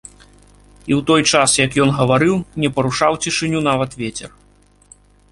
І ў той час, як ён гаварыў, не парушаў цішыню нават вецер.